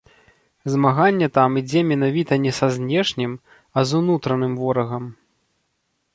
Змаганне там ідзе менавіта не са знешнім, а з унутраным ворагам.